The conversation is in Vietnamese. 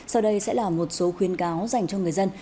sau đây sẽ là một số khuyến cáo dành cho người dân